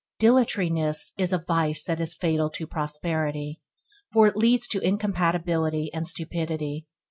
Dilatoriness is a vice that is fatal to prosperity, for it leads to incapability and stupidity.